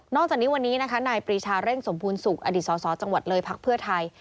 จากนี้วันนี้นะคะนายปรีชาเร่งสมบูรณสุขอดีตสสจังหวัดเลยพักเพื่อไทย